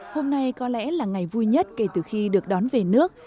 hôm nay có lẽ là ngày vui nhất kể từ khi được đón về nước